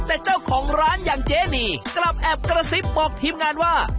แต่เจ้าของร้านอย่างเจนีกลับแอบกระซิบบอกทีมงานว่า